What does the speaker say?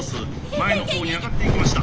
前の方に上がっていきました。